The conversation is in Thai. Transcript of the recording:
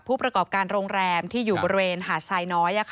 ผู้ประกอบการโรงแรมที่อยู่บริเวณหาดทรายน้อย